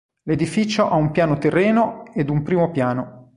L'edificio ha un piano terreno ed un primo piano.